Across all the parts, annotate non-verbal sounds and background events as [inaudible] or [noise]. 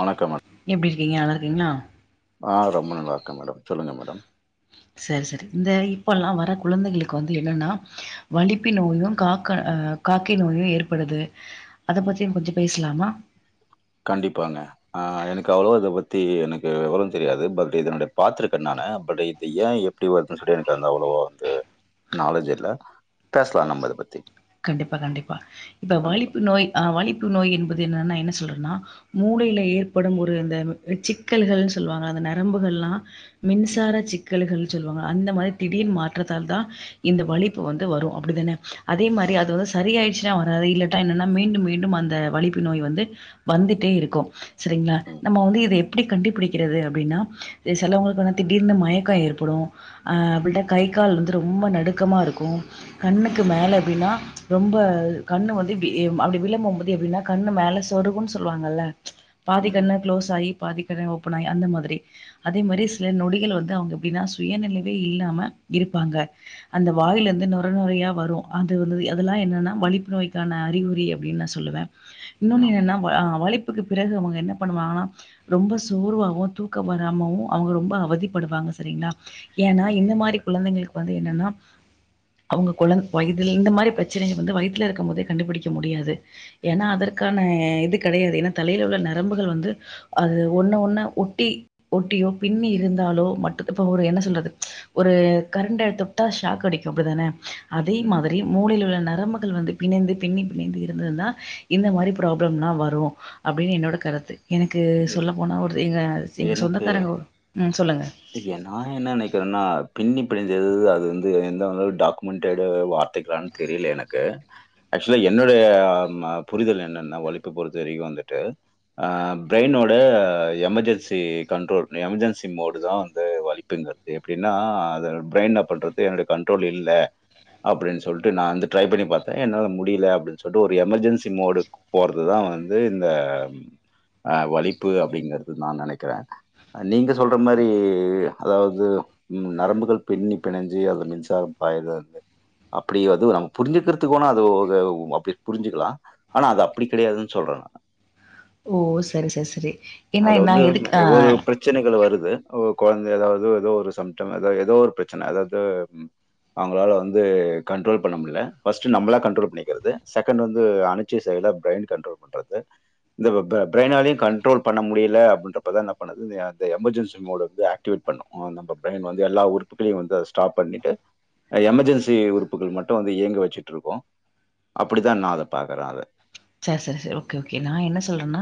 வணக்கம் மேடம் எப்டி இருக்கீங்க நலாரு இன்னா ஆ ரொம்ப நல்லாருக்க மேடம் சொல்லுங்க மேடம் செரி செரி இந்த இப்ப எல்லா வர குழந்தைகளுக்கு வந்து என்னன்னா வலிப்பு நோயும் காக்க அ காக்க நோயு ஏற்படுது அத ம். பத்தியு கொஞ்ச பேஸ்லாமா கண்டிப்பாங்க அ எனக்கு அவ்ளவா இதப் பத்தி எனக்கு வெவர தெரியாது பட் இதனுடைய பாத்திருக்க நான் பட் இது ஏ எப்டி வருதுன்னு சொல்ட்டு எனக்கு அந்த அவ்ளவா வந்து நாலேஜ் இல்ல பேசலா நம்ப அத பத்தி கண்டிப்பா கண்டிப்பா இப்ப கண்டிப்பா. வழிப்பு நோய் ஆ வழிப்பு நோய் என்பது என்னன்னா என்ன சொல்றனா ம், மூளையில ஏற்படும் ஒ ரு இந்த சிக்கல்கள்ன் சொல்வாங்க அந்த நரம்புகள்லா ம், மின்சார சிக் கல்கள் சொல்லுவாங்க அந்த மாரி திடீர் மாற்றத்தால்தா இந்த ம், வலிப்பு வந்து வரு அப் டி தான அதே மார் அது வந்து சரியாயிரிச்சுனா வராது இல்லட்டா என்னன்னா மீண்டும் மீண்டும் அந்த வலிப்பு நோய் வந்து வந்துட்டே இருக்கு சரிங்ளா ம், நம்ம வந்து இத எப்டி கண்டுபிடிக்கிறது அப்டின்னா ம், செலவங்களுக்கு வந்து திடீர்னு மயக்க ஏற்படு அ அப்லட கை கால் வந்து ரொம்ப நடுக்கமா இருக்கு கண்ணுக்கு ம், மேல அப்டின்னா ரொம்ப கண்ணு வந்து இப்டி அப்டி விழம்பும்போது எப்டினா கண்ணு மேல சொருவுன் சொல்வாங்கல்ல பாதி ம், கண்ணு க்ளோஸ் ஆயி பாதிக்கண்ணு ஓப்பனாயி அந்த மாதிரி அதே மாரி ம், சில நொடிகள் வந் து அவங்க எப்டின்னா சுயநினைவே இல்லாம இருப்பாங்க அந்த ம். வாயில இருந்து நொ ர நொரயா வரு அது வந்துது அதெல்லா என்னன்னா வலிப்பு நோய்க்கான அறிகுறி அப்டின் நா சொல்லுவே இன்னொனு ஆமா. என்னனா வ வலிப் க்கு பிறகு அவங்க என்ன பண்ணுவாங்கனா ரொம்ப சோர்வாவு தூக்க வராமவு அவங்க ரொம்ப அவதிப்படுவாங்க சரிங்ளா ஏனா ம், இந்த மாரி குழந்தைங்களுக் கு வந்து என்னனா அவங்க குழந் வயதில் இந்த மாரி பிரச் சனய வந்து வயித்துல இருக்கும் போதே கண்டுபிடிக்க முடியாது ஏனா ம், அதற்கான இது கெடையாது ஏனா தலையில உள்ள நரம்புகள் வந்து அது ஒன்ன ம், ஒன்னு ஒட்டி ஒட்டியோ பின்னி இருந்தாலோ மட் டு இப்ப ஒரு என்ன ம், சொல்றது ஒரு கரண்ட்ட தொட்டா ஷாக் அடிக்கு அப்டிதான அதே ம், மாதிரி மூலையில உள்ள நரம்புகள் வந்து பிணைந்து பிண்ணி பிணைந்து இருந்தது தான் இந்த ம். மாதிரி ப்ராப்ளம்லாம் வ ஒய் அப்படின்னு என்னோட கருத்து எனக்கு இல்ல. சொல்ல போனால் ஒரு எங்க எங்க எனக்கு சொந்தக்காரங்க ஒரு ம் சொல்லுங்க நான் என்ன நினைக்கிறேன்னா பின்னி அப்படி அது வந்து எந்த டாக்குமெண்ட் எடு வார்த்தைகளான்னு தெரியல எனக்கு ஆக்சுவலா என்னனுடைய புரிதல் என்னன்னா வழுப்பு பொறுத்த வரைக்கும் வந்துட்டு அஹ பிரெயினோட எமர்ஜென் இது கண்ட்ரோல் எமர்ஜென்சி மோடு அதாவது வழுப்பெண்பது எப்படின்னா ப்ரெய்ன பண்றது என்னோட கண்ட்ரோல் இல்ல அப்படின்னு சொல்லிட்டு நான் ட்ரை பண்ணி பார்த்தேன் அப்படியும் என்னால முடியல அப்படின்னு சொல்லிட்டு ஒரு எமர்ஜென்சி மொடு போறதுதான் இந்த வலிப்பு நீங்க சொல்றது அப்புற மாதிரி அதாவது உம் நரம்புகள் பெண்ணி பிணைஞ்சு அது மின்சாரம் பாய்றது அப்படி வது நம்ம புரிஞ்சுக்கிறதுக்குனா அது அப்படி புரிஞ்சுக்கலாம் ஆனா அது அப்படி கிடையாதுன்னு சொல்றேன் நான் ஓ சரி சரி சரி ஏன்னா அது ந வந்து எதுக்கு நா ஒரு பிரச்சனைகள் வருது. குழந்தை ஏதாவது ஏதோ ஒரு சிம்டம் ஏதாவது ஏதோ ஒரு பிரச்சனை ஏதாவது அவங்களால் வந்து கண்ட்ரோல் பண்ண முடியல ஃபஸ்ட்டு நம்மளா கண்ட்ரோல் பண்ணிக்கிறது செகண்ட் வந்து அணச்சி சைலாக பிரைன் கண்டட்ரோல் பண்ணுது இந்த பிரரைெயினாலையும் கண்ட்ரோல் பண்ண முடியலை அப்படின்றப்ப தான் என்ன பண்ணுது இந்த அ எமர்ஜென்சி உறுப்புகள் வந்து ஆக்டிவேட் பண்ணனும் நம்ம பிரைன் வந்து எல்லா உறுப்புகளையும் வந்து ஸ்டாப் பண்ணிட்டு எமர்ஜென்சி உறுப்புகளை மட்டும் வந்து இயங்க வச்சுட்டு இருக்கும் அப்படித்தான் நான் பாக்குறேன் சரி சரி சரி கே கே நான் என்ன சொல்றேன்னா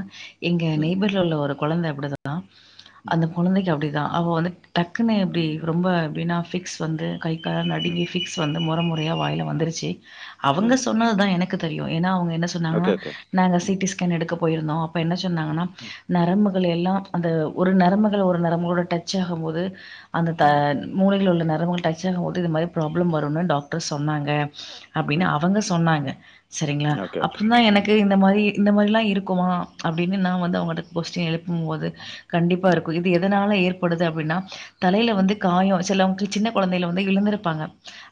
எங்க ம் நெய்பர்ல உள்ள ஒரு குழந்தை அப்படி தான ம் அந்த குழந்தைக்கு அப்படி நா அவ வந்து டக்குன்னு எப்படி ரொம்ப எப்படி ரொம்ப ஃபிக்ஸ் வந்து ம் நடுங்கி பிக்ஸ் வந்த நுறை நுறையா வாயில வந்துருச்சு ம். அவங்க சொன்னது தான் எனக்கு தெரியும் ஏன்னா அவங்க என் ஓகே, சொன்னாங்கன்னா ஓகே. நாங்க ம், சிடி ஸ்கேன் எடுக்க போயிருந்தம் அப்ப என்னசி சொன்னங்கன்னா ம், நரம்புக்கு எல்லாம் அந்த ஒரு நரம்புக ஒரு நரம்புகளோட டச் ஆகும் போது அந்த ம், மூளைகள் உள்ள டச் ஆகும் போது இந்த மாதிரி ப்ரோப்லேம் வரும்ன்னு சொன்னாங்க அப்படின்னு ம். அவங்க சொன்னாங்க சேரிங்களா ஓகே, ஓகே. அப்புறந்தா ம். எனக்கு இந்த மாரி இந்த மாரிலா இருக்குமா அப்டின்னு நா வந்து அவங்கட்ட கொஸ்டி எழுப் ப்பும் போது ஆமா. கண்டிப்பா ம், இருக்கும் இது எதனால ஏற் படுது அப்டின்னா தலையில வந்து ம், காயோ சில சின்ன கொழந்தையில வந்து இழுந்திருப்பாங்க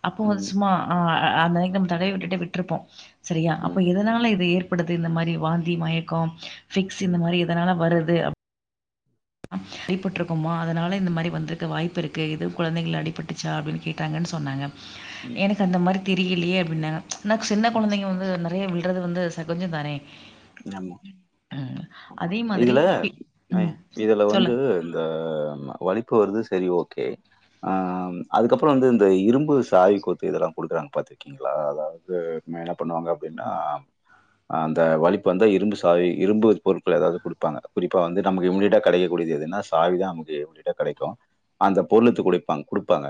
அப்போ வந்து ம், சும்மா ஆ அந்தானிக்கு நம் தடவி விட்டுட்டு விட்டுருப்போம் சரியா அப் இப்ப ம், எதனால இது ஏற்படுது இந்த மாரி வாந்தி மயக்கோ ஃபிக்ஸ் இந்த ம், மாரி எதனால வரு து அடிபட்டுருக்கோமோ அதனால இந்த மாரி வந்துருக்க வாய்ப்பு இருக்கு எதும் கொழந்தைங்கள ம், அடிபட்டுச்சா அப்டின்னு கேட்டாங்கன்னு சொன்னாங்க எனக்கு அந்த மாரி தெரியலியே அப்டினாங்க ஆனா சின்ன ம். கொழந்தைங்க வந்து நெறைய வி ழுந்து வந்து சகொஞ்சோ தானே ஆமா ம். ஆமா அதே மாதிரி இதுல இ- ந ம் இது ல வந்து சொல்லுங்க இந்த வலிப்பு வருது சரி ஓகே ஆ அதுக்கப்புறம் வந்து இந்த இரும்பு சாவி கொத்து இதெல்லா குடுக்குறாங்க பா்த்திருக்கீங்களா அதாவது என்னன பண்ணுவாங்க அப்டின்னா அந்த வலிப் பு வந்து இரும்பு சாவி இரும்பு பொருட்கள் ஏதாவது குடுப்பாங்க குறிப்பா வந்து நமக்கு இம்டியேட்டா கெடைக்கூடியது எதுனா சாவிதா நமக்கு இம்டியேட்டா கடைக்கும் அந்த பொருள் எடுத்து குடுப்பாங் குடுப்பாங்க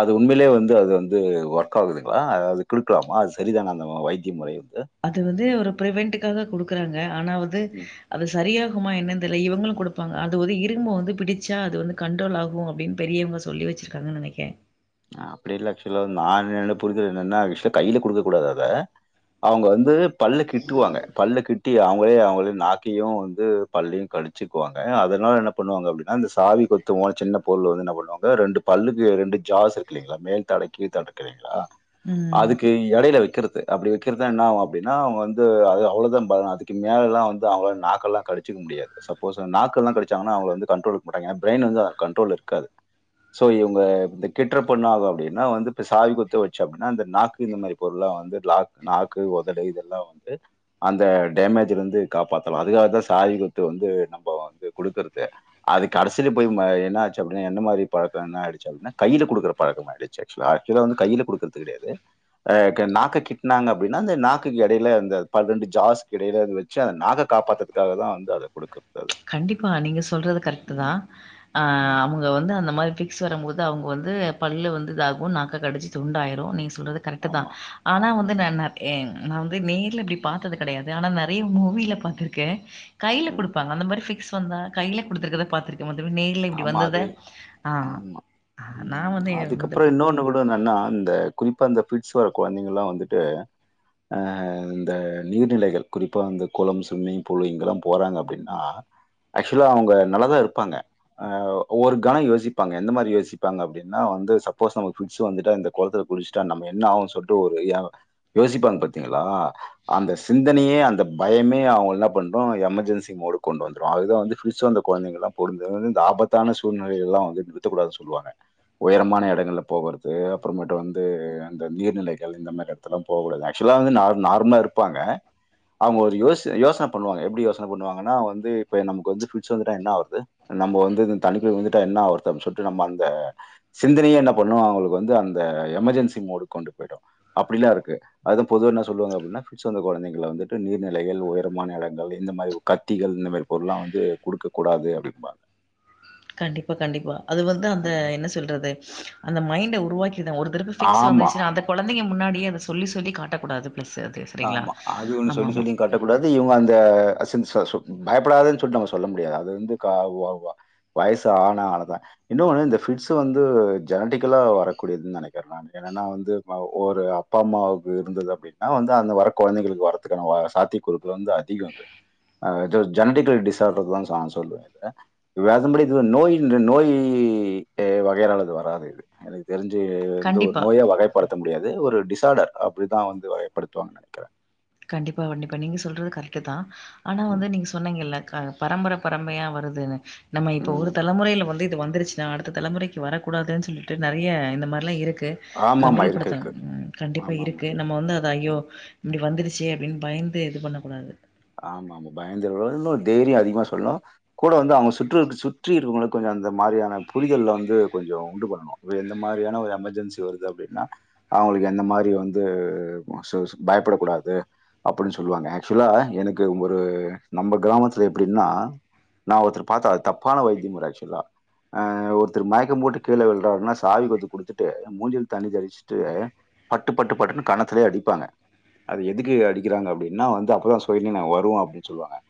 அது உண்மையிலே வந்து அது வந்து ஒர்க் ஆகுதுங்களா அதாவது குடுக்கலாமா அது சரிதானா அந்த வைத்திய முறை வந்து? அது வந்து ஒரு பிரிவென்டுக்காக குடுக் குறாங்க ஆனாவது ம். அது சரியா குமா என்னன் தெர்ல இவங்களும் குடுப்பாங்க அது வது இருகமா வந்து பிடிச்சா அது வந்து கண்டரோல் ஆகும் அப்டினு பெரியவங்க சொல்லி வச்சிருக்காங்க நெனைக்கிறேன் ஆ அப்டி இல்ல ஆக்சுவலா நா இதுல என்ன புரிஞ்சது என்னன்ன ஆக்சுவ கையில குடுக்க கூடாது அத அவங்க வந்து பல்ல கிட்டுவாங்க பல்ல கிட்டி அவ ங்களே அவங்கது நாக்கையும் வந்து பல்லையும் கடிச்சக்குவாங்க அதனால என்ன பண்ணுவாங்க அப்டினா இந்த சாவி கொத்துவு சின்ன பொருள் ஒன்று என்ன பண்ணுவாங்க ரெண்டு பல்லுக்கு ரெண்டு ஜாஸ் இருக்கு இல்லைங்களா மேல்தாடை கீழ் தடு இருக்கு இல்லிங்களா ம் அதுக்கு எடையில வைக்கிற அப்டி வைக்கிறதா என்னாவும் அப்டின்னா அவங்கந்து அது அவ்ளதா பா அதுக்கு மேலலா வந்து அவங்க நாக்கெல்லா கடிச்சிக்க முடியாது சப்போஸ நாக்கெல்லா கடிச்சாங்கன்னா அவங்கள வந்து கண்ட்ரோல் இருக்க மாட்டாங்க ஏன்னா ப்ரெய்ன் வந்து கண்டரோல் இருக்காது சோ இவங்க இந்த கெட்றப்ப என்ன ஆகும் அப்டின்னா வந்து இப்போ சாவி கொத்து வச்சு அப்டின்னா இந்த நாக்கு இந்த மாரி பொருள்லாம் வந்து லா நாக்கு ஒதடு இதெல்லா வந்து அந்த டேமேஜ்லருந்து காப்பாத்தலா அதுக்காக தா சாவி கொத்து வந்து நம்ம வந்து குடுக்குறது அது கடைசியில் போய்ம என்ன ஆச்சு அப்டின்னா என்ன மாரி பழக்கோ என்ன ஆகிடுச்சு அப்டின்னா கையில குடுக்குற பழக்கம் ஆகிடுச்சு ஆக்சுவலா ஆக்சுவலா வந்து கையில் குடுக்கறது கிடையாது அ க நாக்க கிட்னாங்க அப்டின்னா அந்த நாக்குக்கு எடையில அந்த ப ரெண்டு ஜாஸுக்கு எடையில அது வச்சு அந்த நாக்க காப்பாத்தத்துதுக்காக தா வந்து அதை குடுக்கு கண்டிப்பா நீங்க சொல்றது கரெக்ட்டு தா அ ம். அவங்க வந்து அந்த மாரி ஃபி க்ஸ் வரம்போது அவங்க வந்து பல்லு வந்து இதாகும் நாக்க கடிச்சு துண்டாயிரும் நீ சொல்றது கரெக்ட் தா ஆமா, ஆனா ஒன்னு ஆமா. தன்னா என் நா வந்து நேர்ல இப்டி பார்த்தது கிடையாது ஆனா நிறைய மூவில பாத்திருக்கேன் கையில ம். கொடுப்பாங்க அந்த மாரி ஃபிக்ஸ் வந்தா கையில கொடுத்துக்கத ப பா்த்திருக்கன் ஆமா அது ஆமா ஆ நான் உஹம் வந்து அதுக்கப்புறம் இன்னொண்ணு விட என்னன்னா அந்த குறிப்பா அந்த ஃபிட்ஸ் வர குழந்தைங்க எல்லாம் வந்துட்டு அஹ் இந்த நீர்நிலைகள் குறிப்பா இந்தந்த குளம் ஸ்விம்மிங் பூல் இங்கெல்லாம் போறாங்க அப்படின்னா ஆக்சுவலா அவங்க நல்லாதா இருப்பாங்க ஹ ஒரு கனம் யோசிப்பாங்க எந்த மாதிரி யோசிப்பாங்க அப்படின்னா வந்து சப்போஸ் நமக் ஃபிட்ஸ் வந்துட்டா இந்த குளத்துல குடிச்சுட்டா நம்ம என்ன ஆவோம்னு சொல்லிட்டு ஒரு யோசிப்பாங்க பாரத்தீங்களா அந்த சிந்தனைய அந்த பயமே அவங்க என்ன பண்றோம் எமர்ஜென்சி மோடு கொண்டு வந்துரும் அதுதான் வந்து ஃபிட்ஸ் வந்த குழந்தைங்கலாம் பொந்தந்து இந்த ஆபத்தான சூழ்நிலை எல்லா வந்து நிறுத்தக்கூடாதுனு சொல்லுவாங்க உயரமான எடங்கள்ல போகறது அப்புறமேட்டு வந்து அந்த நீர்நிலைகள் இந்த மாரி எடத்துல போகூடாது ஆக்சுவலா வந்து நா நார்மலா இருப்பாங்க அவுங்க ஒரு யோசி யோசன பண்ணுவாங்க எப்டி யோசனை பண்ணுவாங்கன்னா வந்து இப்ப நமக்கு வந்து ஃபிட்ஸ் வந்துட்டா என்ன ஆவுரது நம்ம வந்து இந்த தனிக்குள்ள விழுந்துட்டா என்ன ஆவரது அப்டின் சொல்ட்டு நம்ம அந்த சிந்தனையே என்ன பண்ணு அவுங்களுக்கு வந்து அந்த எமர்ஜென்சி மோடுக்கு கொண்டு போய்டு அப்டியெல்லா இருக்கு அதுதா பொதுவா என்ன சொல்லுவாங்க அப்டின்னா ஃபிட்ஸ் வந்த கொழந்தைங்களை வந்துட்டு நீர்நிலைகள் உயரமான எடங்கள் இந்த மாரி கத்திகள் இந்த மாரி பொருள்ல்லா வந்து குடுக்கக் கூடாது அப்டிம்பாங்க கண்டிப்பா கண்டிப்பா அது வந்து அந்த ம்ஹ்ம். என்ன சொல்றது அந்த மைண்ட உருவாக்கி ஒரு தரவ ஃபிக்ஸ் ஆமா. வந்துச்சுனா அந்த கொழந்தைங்க முன்னாடி யே அத சொல்லி சொல்லி காட்டக்கூடாது பிளஸ் அது சரிங்களா? ஆமா அது ஒன்னு சொல்லி ஆமாமா. சொல்லியுங் காட்டக்கூடாது இவுங்க அந்த [unintelligible] பயப்படாதன் சொல்ட்டு நம்ம சொல்ல முடியாது அது வந்து கா வா வா வயசு ஆனா ஆனதா இன்னொ ஒன்னு இந்த ஃபிட்ஸ் வந்து ஜெனட்டிக்கலா வரக்கூடியதுன்னு நெனைக்கிறேன் நானு என்னனா வந்து ஒரு அப்பா அம்மாவுக்கு இருந்தது அப்டினா வந்து இதா அந்த வர கொழந்தைகளுக்கு வரதுக்கான சாத்யகூறுகள் வந்து அதிகோ இது அ இது ஜெனட்டிக்கல் டிசாடர்னுதா நா சொல்வே வேதம்படி இது என்ன நோய் நோய் வகையரால இது வராது இது எனக்கு தெரிஞ்சு இது வந்து ஒரு கண்டிப்பா. நோயா வகைப்படுத்த முடியாது ஒரு டிஸ்சாடர் அப்டிதா வந்து வ கை படுத்துவாங்கன் நெனைக்கிறே கண்டிப்பா கண்டிப்பா நீங்க சொல்றது கரெக்ட்தா ஆனா ம். வந்து நீங்க சொன்னீங்கல்ல பரம்பர பரம்பையா வருதுனு நம்ம இப்ப ஒரு ம். தலைமுறைல வந்து இது வந்துருச்சுனா அடுத்த தலைமுறைக்கு வரக்கூடாதுன்னு சொல்லிட்டு நெறய இந்த மாரில்லா இருக்கு து ஆமாமா. கண்ட்டோல் இருக்கு, இருக்கு. படுத்தனும் கண்டிப்பா இருக்கு நம்மோ வந்து அது ஐயோ ம். இப்டி வந்துருச் சேரின் பயிந்து இது பண்ணே கூடாது ஆமா அவுகோ பயிந்து [unintelligible] தெயிரியோ அதிகமா சொல்னோ கூட வந்து அவுங்க சுற்றுயிருக்கு சுற்றீ இருக்குரவங்கள கொஞ்சோ அந்த மாதிரியான புரிதல்லே வந்து கொஞ்சோ உண்டு பண்ணனோ இவே எந்த மாரியான ஒரு எமர்ஜென்சி வருது அப்டினா அவுங்களுக்கு எந்த மாரி வந்து உவா சேர்வீஸ்க் பயப்படக் கூடாது அப்பிடின் சொல்லுவாங்கே சொல்லலே அவே எனக்கு ஒரு நம்ப கிராமத்துலே எப்டின்னா நா ஒருத்தரே பாத்தே அது தப்பான வைத்தியமுறே ஆக்சுவலா ஆ ஒர்த்தரு மயக்கம் போட்டு கீழ விழ்றார்னா சாவி கொத்து குடுத்துட்டூ மூஞ்சில் தண்ணீ தெளிச்சுட்டு பட்டு பட்டு பட்டுன்னு கண்ணத்துலயே அடிப்பாங்கே அது எதுக்கு அடிக்கிறாங்கே அப்டி என்னா வந்து அப்பறோ சொ சொயிநினவு வரூ அப்டின் சொல்லுவாங்கே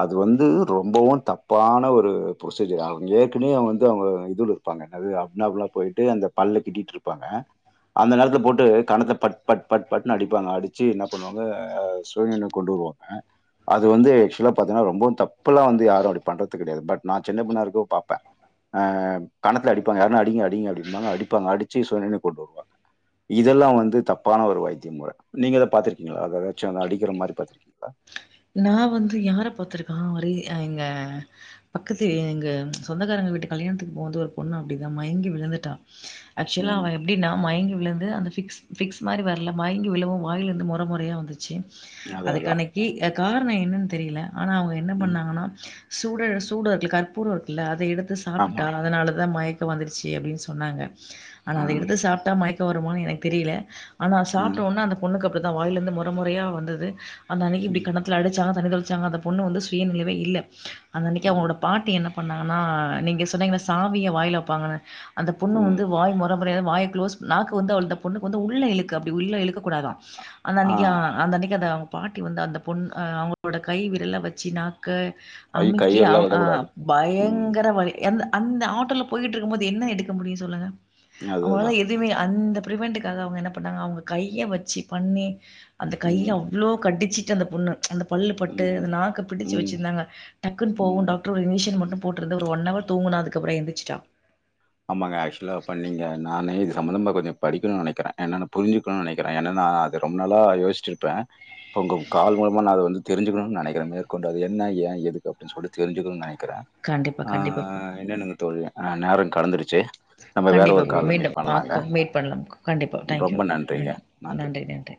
அது வந்தூ ரொம்போவோ தப்பான ஒரு ப்ரோசீஜர் அவுங் ஏற்கனவே அவுங் வந்து அவுங்கே இதுலே இர்ப்பாங்கே அது அப்நார்மலா போயிட்டு அந்த பல்லே கிட்டீட்டுருப்பாங்கே அந்த நேரத்துலே போட்டு கண்ணத்தலே பட் பட் பட் பட்னு அடிப்பாங்கே அடிச்சு என்னா பண்ணுவாங்கே சுயநினவு கொண்டு வருவாங்கே ஆ அது வந்து ஆக்சுவலா பாத்தீங்னா ரொம்பவு தப்புலா வந்து யாரோ அப்டி பண்றது கெடையாது பட் நா சின்ன பின்னா இருக்கோ பாப்பே ஆ கண்ணத்துலே அடிப்பாங்கே யார்னா அடிங்கே அடிங்கே அப்டின்பாங்கே அடிப்பாங்கே அடிச்சு சுயநினவு கொண்டு வருவாங்கே இதெல்லாவு வந்து தப்பான ஒரு வைத்திய முறே நீங்கே இத பாத்திருக்கீங்ளா அது ஏதாச்சோ அந்த அடிக்கிற மாரி பாத்திருக் ஆ நா வந்து யாரே பாத்திருக்கா வரே ஆ எங்கே பக்கத்து வீ எங்கே ச்ச சொந்தக்காரங்கே வீட்டு கல்யாண்த்துக்கு போன்தோ ஒரு பொண்ணு அப்டிதா மயிங்கீ விழுந்துட்டா ஆக்சுவலா ம். அவ எப்டினா மயிங்கீ விழுந்து அந்த ஃபிக்ஸ் ஃபிக்ஸ் மாரி வரலே மயிங்கீ விழவோ வாயிலிந்து முறே முறேயா வந்துச்சூ அது அதான். அதுக்கானக் கீயத் காரணோ என்னென் தெரியிலே ஆனா அவுங்க என்னா ம். பண்ணாங்கனா சூடே சூடோ இர்க்குல கற்பூரோ இர்க்குல்லே அத் தே எடுத்து ஆமா. சாப்பிட்டா அதனாலதா மயக் தோ வந்துடுச்சி அப்டின் சொன்னாங்கே ஆனா ஆ, அத எடுத்து சாப்ட்டா மயிக் தோ வருமா எனக்கு தெரீலே ஆனா ஆ, சாப்ட்டோனே அந்த பொண்ணுக்கு அப் தான் வாயில இருந்து முற முறையா வந்தது அந்த அன்னிக்கு இப்டி ம், கண்டதோ [unintelligible] அந்த பொண்ணு வந்து சுயநினைவே இல்ல அந்த அன்னைக்கு ம், அவங்களோட பாட்டி என்ன பண்ணாங்கன்னா நீங்க சொன்னீங்கன்ன சாவிய வாயில வைப்பாங்கன்னு அந்த பொண்ணு ம். வந்து வாய் முறை வாய க்ளோஸ் வந்து பொண்ணுக்கு வந்து உள்ள இழுக்க அப்படி உள்ள இழுக்க கூடாதான் அந்த ஆ. அன்னிக்கு அந்த அன்னிக்கு பாட்டி வந்து அந்த பொண் அவங்களோட கை விரல வெச்சு நா ஐ கை அமிக்கி விரல அ விடக்கூடாது. ம். பயங்கர வலி எந்த அந்த ஆட்டோல போயிட்டு இருக்கும் போது என்ன எடுக்க முடியும் சொல்லுங்க அது அவுங்களாலா அதான். எதுவுமே அந்த பிரவெண்டுக்காக அவங்க என்ன பண்ணாங்க அவுங்க கைய வெச்சு பண்ணி அந்த கைய ம், அவ்ளோ கடிச்சி ச்சி அந்த பொண்ணு அந்த பல்லு பட்டு ம், அந்த நாக்கை பிடிச்சு ம், வெச்சிருந்தாங்க டக்குன்னு போகவும் ம். டாக்டர் ஒரு இன்ஜெக்ஷன் மட்டும் போட்டுருது ஒரு ஒன் அவர் தூங்கனா அதுக்கப்புறம் எழுந்துச்சிட்டா ஆமாங்க ஆக்சுவலா பண்ணீங்க நானே இது சம்பந்தமா கொஞ்சம் படிக்கணும் நினைக்கிற என்னன்னு புரிஞ்சுக்கணும்னு நினைக்கிறேன் என்னன்னா அது ரொம்ப நாளா யோசித்து இருப்பேன் இப்போ உங்க கால் மூலமா நான் தெரிஞ்சுக்கணும் நினைக்கிறேன் என்ன ஏன் எதுக்கு நினைக்கிறேன் இருக்கிறேன் கண்டிப்பா, கண்டிப்பா ப்ரோ. என்னன்னங்க தோழி நேரங்க கலந்துருச்சு கண்டிப்பா ப்ரோ மீண்டும் மீட் பண்ணலாம் கண்டிப்பா தேங்க்யூ ரொம்ப நன்றிங்க. நன்றி நன்றி